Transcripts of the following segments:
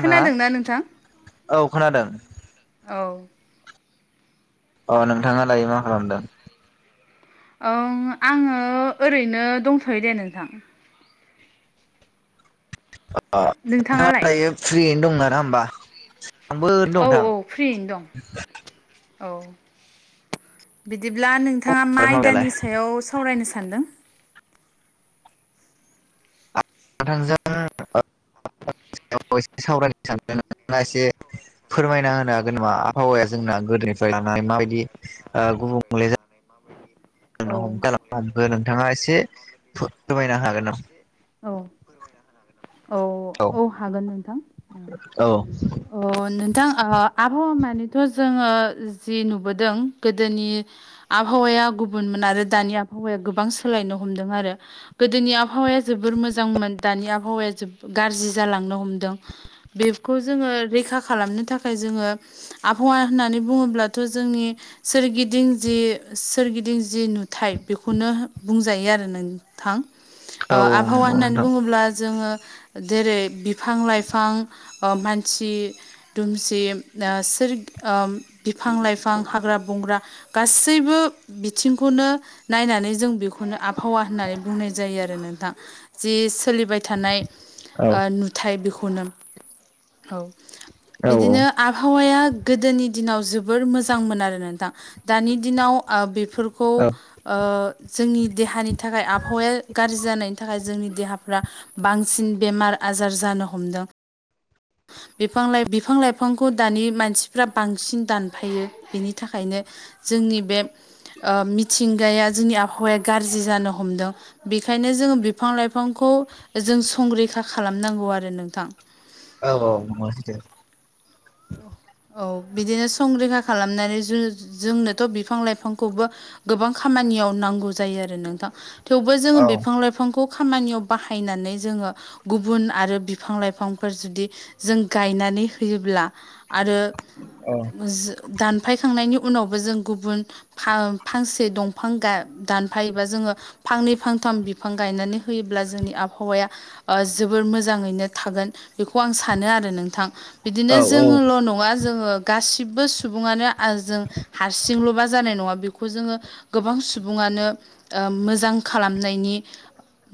खोनादोंना नोंथां औ खोनादों औ अ नोंथाङा दायो मा खालामदों औ आङो ओरैनो दंथ'यो दे नोंथां अ नोंथाङा नोंथाङालाय दायो फ्रियैनो दं [unintelligible] होमबा आंबो [unintelligible] दं औ नोंथां औ फ्रियैनो दं औ बिदिब्ला नोंथाङा मा मावनायालाय आयदानि सायाव सावरायनो सानदों [unintelligible] फोरमायना होनो हागोन नामा आबहावाया जोंना गोदोनिफ्राय लानानै माबायदि ओ गुबुंले [unintelligible] औ नोंथाङा एसे फोरमायना होनो हागोन नामा औ औ औ हागोन नोंथां औ अ नोंथां आबहावा मानिथ' जोङो जि नुबोदों गोदोनि आबहावाया गुबुनमोन आरो दानि आबहावाया गोबां सोलायनो हमदों आरो गोदोनि आबहावाया जोबोर मोजांमोन दानि आबहावाया गाज्रि जालांनो हमदों बेखौ जोङो रैखा खालामनो थाखाय जोङो आबहावा होननानै बुङोब्लाथ' जोंनि सोरगिदिं जि सोरगिदिं जि नुथाय बेखौनो बुंजायो आरो नों थां ओ औ आबहावा नंगौ होननानै नोंथां बुङोब्ला जोङो जेरै बिफां लाइफां ओ मानसि दुमसि सोर बिफां लाइफां हाग्रा बंग्रा गासैबो बिथिंखौनो नायनानै जों बेखौनो आबहावा होननानै बुंनाय जायो आरो नोंथां जि सोलिबाय थानाय औ नुथाय बेखौनो औ औ बिदिनो आबहावाया गोदोनि दिनाव जोबोर मोजांमोन आरो नोंथां दानि दिनाव बे फोरखौ औ जोंनि देहानि थाखाय आबहावाया गाज्रि जानायनि थाखाय जोंनि देहाफ्रा बांसिन बेमार आजार जानो हमदों बिफां लाइ बिफां लाइफांखौ दानि मानसिफ्रा बांसिन दानफायो बिनि थाखायनो जोंनि बे मिथिंगाया जोंनि आबहावाया गाज्रि जानो हमदों बेखायनो जोङो बिफां लाइफांखौ जों संरैखा खालामनांगौ आरो नोंथां औ औ मसदो औ बिदिनो संरैखा खालामनानै ज जोंनोथ' बिफां लाइफांखौबो गोबां खामानियाव नांगौ जायो आरो नोंथां थेवबो जोङो औ बिफां लाइफांखौ खामानियाव बाहायनानै जोङो गुबुन आरो बिफां लाइफांफोर जुदि जों गायनानै होयोब्ला आरो औ दानफायखांनायनि उनावबो जों गुबुन फांसे दंफां दानफायोबा जोङो फांनै फांथाम बिफां गायनानै होयोब्ला जोंनि आबहावाया जोबोर मोजाङैनो थागोन बेखौ आं सानो आरो नोंथां बिदिनो औ जों ल नङा जोङो गासिबो सुबुङानो जों हारसिंल'बा जानाय नङा बेखौ जोङो गोबां सुबुङानो मोजां खालामनायनि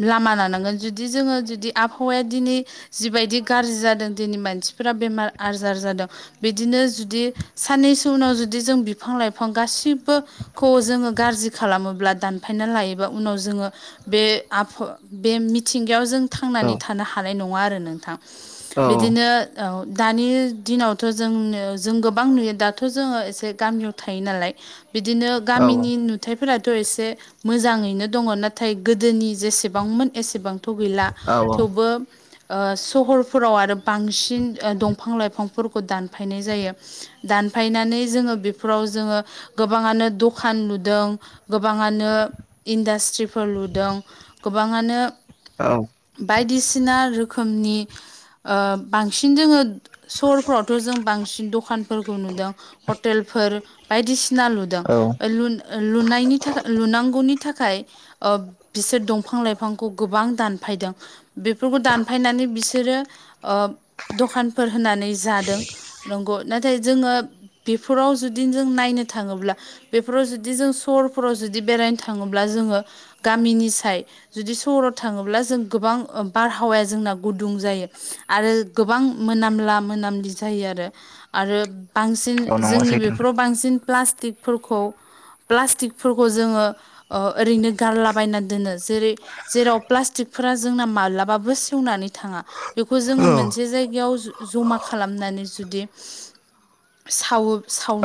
लामा लानांगोन जुदि जोङो जुदि आबहावाया दिनै जिबायदि गाज्रि जादों दिनै मानसिफोरा बेमार आजार जादों बिदिनो जुदि साननैसो उनाव जुदि जों बिफां लाइफां गाैबो खौ जोङो गाज्रि खालामोब्ला दानफायना लायोबा उनाव जोङो बे आफ बे मिथिंगायाव जों थांनानै थानो हानाय नङा आरो नोंथां बिदिनो दानि दिनाव थ जों जों गोबां नुयो दाथ' जोङो एसे गामियाव थायो नालाय बिदिनो गामि नु हिथाइफोराथ' एसे मोजाङैनो दङ नाथाय गोदोनि जेसेबांमोन एसेबांथ' गैला। औ औ थेवबो ओ सहरफोराव आरो बांसिन दंफां लाइफां फोरखौ दानफायनाय जायो दानफायनानै जोङो बेफोराव जोङो। गोबाङानो दखान लुदों गोबाङानो इन्डास्ट्रिफोर लुदों। गोबाङानो। औ। बायदिसिना रोखोमनि ओ बांसिन जोङो सर फोरावथ जों बांसिन दख दखानफोरखौ नुदों हटेलफोर बायदिसिना लुदों औ लुनो। लुनायनि थाखाय लुनांगौनि थाखाय। ओ बिसोर दंफां लाइफांखौ गोबां दानफायदों। बेफोरखौ दानफायनानै बिसोरो ओ दखानफोर होनानै जा। दों नंगौ नाथाय जोङो बेफोराव जुदि जों नायनो थाङोब्ला। बेफोराव जुदि जों सहरफोराव जुदि बेरायनो थाङोब्ला जोङो गामिनि साय जुदि सहराव थाङोब्ला जों गोबां ओ बारहावाया जोंना गुदुं जायो आरो। गोबां मोनामला मोनामलि जायो आरो आरो बांसिन औ नंगौ जोंनि सैथो नोंथां बेफोराव बांसिन प्लास्टिकफोरखौ। प्लास्टिकफोरखौ जोङो ओ ओरैनो गारलाबायना दोनो जेरै। जेराव प्लास्टिकफोरा जोंना माब्लाबाबो सेवनानै थाङा। बेखौ जोङो मोनसे जायगायाव जमा खालामनानै जुदि सावो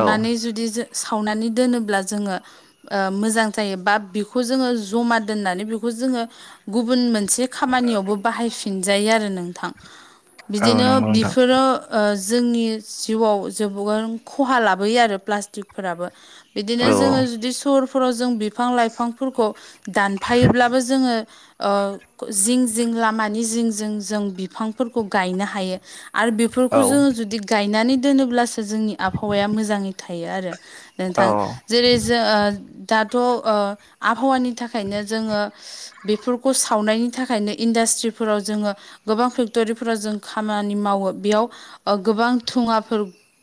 औ जुदि सावनानै दोनोब्ला जोङो ओ मोजां जायो बा बेखौ जोङो जमा दोननानै बेखौ जोङो गुबुन मोनसे खामानियावबो बाहायफिनजायो आरो नोंथां। औ बिदिनो नंगौ नोंथां बिफोरो ओ जोंनि जिउआव जोबोन खहा लाबोयो आरो प्लास्टिकफोराबो। बिदिनो औ जोङो जुदि सहरफोराव जों बिफां लाइफांफोरखौ दानफायोब्लाबो जोङो ओ जिं जिं लामानि जिं जिं जों बिफांफोरखौ गायनो हायो। आरो बेफोरखौ औ जोङो जुदि गायनानै दोनोब्लासो जोंनि आबहावाया मोजाङै थायो आरो। औ नोंथां। जेरै जो ओ दाथ' ओ आबहावानि थाखायनो जोङो बेफोरखौ सावनायनि थाखायनो इन्डास्ट्रिफोराव जोङो गोबां फेक्ट'रिफोराव जों खामानि मावो बेयाव गोबां धुङाफोर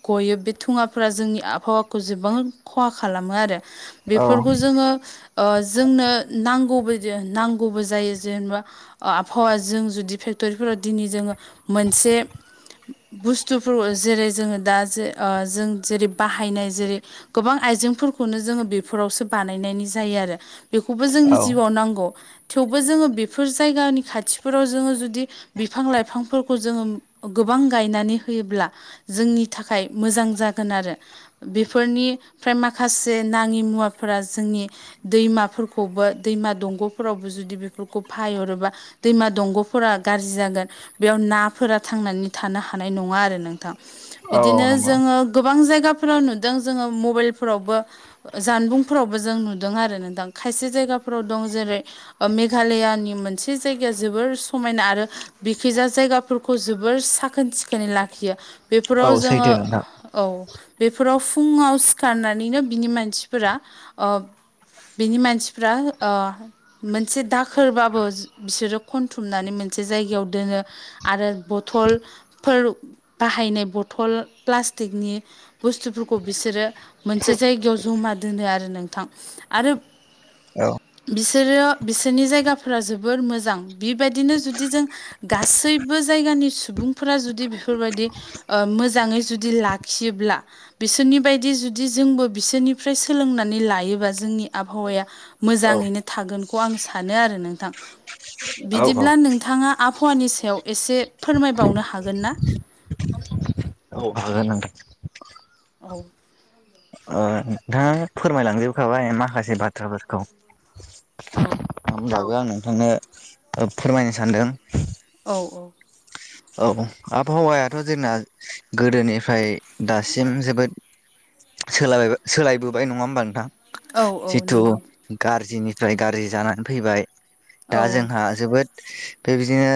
गयो बे थुङाफोरा जोंनि आबहावाखौ जोबोद खहा खालामो आरो। औ बेफोरखौ जोङो ओ जोंनो नांगौ बादि नांगौबो जायो जेनेबा ओ आबहावा जों जुदि फेक्ट'रिफोराव दिनै जोङो मोनसे बुस्थुफोरखौ जेरै जोङो दा जे ओ जों जेरै बाहायनाय जेरै गोबां आइजेंफोरखौनो जोङो बेफोरावसो बानायनायनि जायो आरो। बेखौबो जोंनि औ जिउआव नांगौ थेवबो जोङो बेफोर जायगानि खाथिफोराव जोङो जुदि बिफां लाइफांफोरखौ जोङो गोबां गायनानै होयोब्ला जोंनि थाखाय मोजां जागोन आरो। बेफोरनिफ्राय माखासे नाङि मुवाफोरा जोंनि दैमाफोरखौबो दैमा दंग'फोरावबो जुदि बेफोरखौ फाहायरोबा दैमा दंग'फोरा गाज्रि जागोन बेयाव नाफोरा थांनानै थानो हानाय नङा आरो नोंथां। औ बिदिनो नंगौ जोङो गोबां जायगाफोराव नुदों जोङो मबाइलफोरावबो ओ जानबुंफोरावबो जों नुदों आरो नोंथां खायसे जायगाफोराव दं जेरै ओ मेघालयानि मोनसे जायगाया जोबोर समायना आरो बिखिजा जायगाफोरखौ जोबोर साखोन सिखोनै लाखियो औ बेफोराव जोङो सैथो नोंथां औ बेफोराव फुङाव सिखारनानैनो बिनि मानसिफोरा ओ बिनि मानसिफ्रा ओ मोनसे दाखोरबाबो बिसोरो खनथुमनानै मोनसे जायगायाव दोनो। आरो बथलफोर बाहायनाय बथल प्लास्टिकनि बुस्थुफोरखौ बिसोरो मोनसे जायगायाव जमा दोनो आरो नोंथां। आरोब औ बिसोरो बिसोरनि जायगाफोरा जोबोर मोजां बिबायदिनो जुदि जों गासैबो जायगानि सुबुं फोरा जुदि बेफोरबादि ओ मोजाङै जुदि लाखियोब्ला बिसोरनि बायदि जुदि जोंबो बिसोरनिफ्राय सोलोंनानै लायोबा जोंनि आबहावाया मोजाङैनो थागोनखौ आं सानो आरो नोंथां। औ बिदिब्ला नोंथाङा आबहावानि सायाव एसे फोरमायबावनो हागोन ना? औ हागोन नोंथां। औ ओ नोंथां फोरमायलां जोबखाबाय माखासे बाथ्राफोरखौ। औ। होमब्लाबो आं नोंथांनो ओ फोरमायनो सानदों। औ औ औ आबहावायाथ' जोंना गोदोनिफ्राय दासिम जोबोद सोलाबाबा सोलायबोबाय नङा ओमबा नोंथां। औ औ जिथु नंगौ गारज्रिनिफ्राय गारज्रि जानानै फैबाय दा औ जोंहा जोबोद बेबायदिनो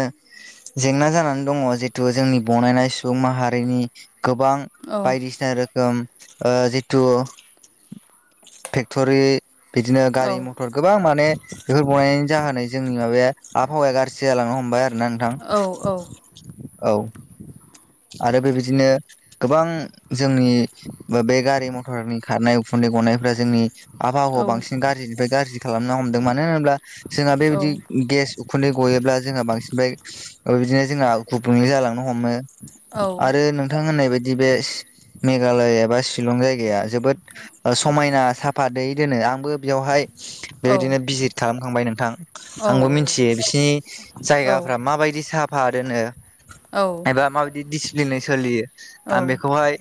जेंना जानानै दङ जितु जोंनि बनायनाय सुबुं माहारिनि गोबां औ बायदिसिना रो खोम ओ जिथु फेक्टरि बिदिनो औ गारि मथ फोर गोबां माने बेफोर बनायनि जाहोनै जोंनि माबाया आबहावाया गारज्रि जालांनो हमबाय आ ना नोंथां औ औ। आरो बेबायदिनो गोबां जोंनि बो बे गारि म फोरनि खारनाय उखुन्दै गनायफोरा जोंनि आबहावाखौ औ बांसिन गारज्रिनिफ्राय गारज्रि खालामनो हमदों मानो होनोब्ला जोंहा बेबायदि गेस उखुन्दै गयोब्ला जोंहा बांसिनफ्राय ओ बिदिनो जोंहा गुबुंले जालांनो हमो। औ औ आरो नोंथां होननाय बायदि बे मेघालय एबा शिलं जायगाया जोबोद समायना साफा दै दोनो आंबो बेवहाय औ बेबायदिनो भिजित खालामखांबाय नोंथां। आंबो मिथियो बिसिनि जायगाफ्रा माबायदि साहा फाहा दोनो। औ दिसिप्लिनयै सोलियो औ आं बेखौहाय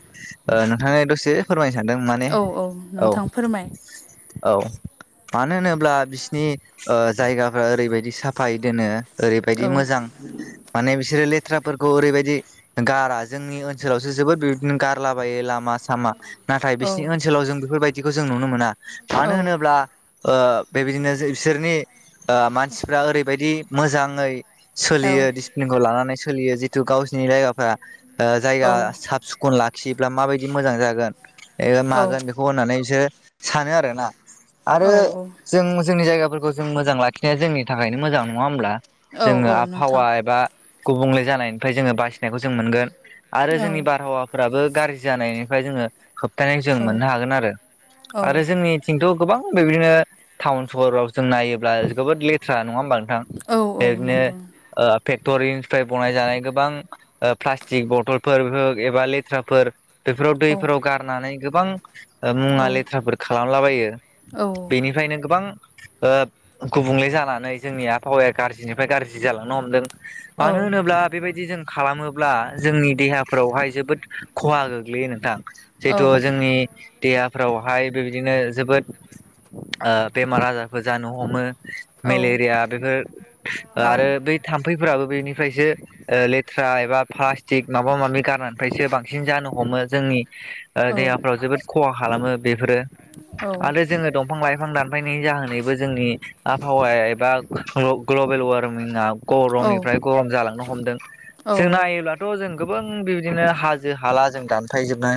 ओ नोंथाङा दसे फोरमायनो सानदों माने औ औ। नोंथां फोरमाय औ मानो होनोब्ला बिसिनि ओ जायगाफ्रा ओरैबायदि साफायै दोनो। ओरैबायदि औ मोजां माने बिसोरो लेथ्राफोरखौ ओरैबायदि गारा जोंनि ओनसोलावसो जोबोद बि बिब्दिनो गारलाबायो लामा सामा नाथाय औ बिसिनि ओनसोलाव जों बेफोरबायदिखौ जों नुनो मोना औ मानो होनोब्ला ओ बेबायदिनो बो बिसोरनि ओ मानसिफ्रा ओरैबायदि मोजाङै औ सोलियो डिसिप्लिनखौ लानानै सोलियो जितु गावसिनि जायगाफ्रा ओ जायगा साब सि खन लाखियोब्ला माबायदि मोजां जागोन ओ औ मागोन बे खौ होननानैसो सानो आरोना औ आरो जों जोंनि जायगाफोरखौ जों मोजां लाखिनाया जोंनि थाखायनो मोजां नङा होमब्ला? औ जोङो नोंथां आबहावा एबा गुबुंले जानायनिफ्राय जोङो बासिनायखौ जों मोनगोन आरो औ जोंनि बारहावा फोराबो गारज्रि जानायनिफ्राय जोङो होबथानाय जों औ मोननो हागोन आरो औ आरो जोंनि खिन्टु गोबां बेबायदिनो टाउन सहराव जों नायो ब्ला जोबोद लेथ्रा नङा ओमबा नोंथां औ औ बेबादिनो नंगौ ओ फेक्टरिनिफ्राय बनाय जानाय गोबां ओ प्लास्टिक बथलफोर एबा लेथ्राफोर बेफोराव औ दैफोराव गार गारनानै गोबां औ मुवा लेथ्राफोर खालामलाबायो औ बेनिफ्रायनो गोबां ओ गुबुंले जानानै जोंनि आबहावाया गाज्रिनिफ्राय गाज्रि जालांनो हमदों। मानो होनोब्ला बेबायदि जों खालामो ब्ला जोंनि देहाफोरावहाय जोबोद खहा गोग्लैयो नोंथां औ जिहेथु जोंनि देहाफ्रावहाय बेबायदिनो जोबोद ओ बेमार आजारफोर जानो हमो। औ मेलेरिया बेफोर आरो औ औ बै थाम्फैफोराबो बेनिफ्रायसो ओ लेथ्रा एबा प्लास्टिक माबा माबि गारनायनिफ्रायसो बांसिन जानो हमो जोंनि देहाफ्राव जोबोद खहा खालामो बेफोरो आरो जोङो दंफां लाइफां दान थांनायनि जाहोनैबो जोंनि आबहावाया एबा ग्ल'-ग्लबेल वारमिंआ गरमनिफ्राय गरम जालांनो हमदों जोंना होनब्लाथ' जों गोबां बिबिदिनो हाजो हाला जों दानफायजोबना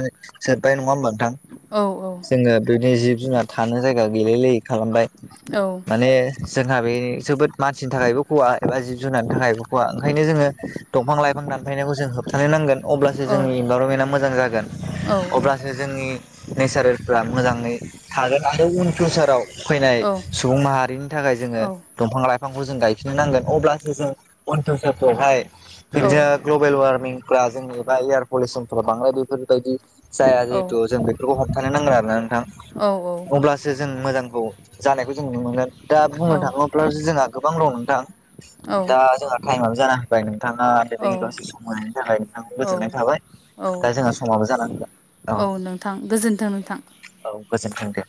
जोबबाय नङा होमबा नोंथां? औ औ जोङो बेबादिनो जिब जुनार थानो जायगा गैलाय लायै खालामबाय औ माने जोंहा बे जोबोद मानसिनि थाखायबो खहा एबा जिब जुनारनि थाखायबो खहा ओंखायनो जोङो दंफां लाइफां दान फायनायखौ जों होबथानो नांगोन अब्लासो जोंनि इनभारमेन्टआ मोजां जागोन अब्लासो जोंनि नेचारेलफ्रा मोजाङै थागोन आरो उन फिउचाराव फैनाय सुबुं माहारिनि थाखाय जोङो दंफां लाइफांखौ जों गायफिननो नांगोन अब्लासो जों अन्थस'खौहाय जों बिदिनो ग्लबेल वार्मिंफ्रा जोंनि एबा एयार पलिउसनफ्रा बांद्राय बेफोरबायदि जाया जिहेतु जों बेफ फोरखौ हमथानो नांगोन आरो ना नोंथां औ औ जे जों मोजांखौ जानायखौ जों नुनो मोनगोन दा बुंनो थाङोब्लासो जोंहा गोबांल' दा दा जोंहा टाइमाबो जाना होबाय नोंथाङा दे जोंङा औ दासो सम होनायनि थाखाय नोंथां औ औ गोजोननाय थाबाय औ दा जोंहा समाबो जानानै फैबाय। औ नोंथां गोजोन्थों नोंथां। औ गोजोनथों दे